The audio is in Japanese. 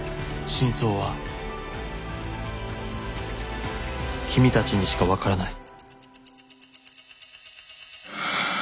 「真相は君たちにしかわからない」。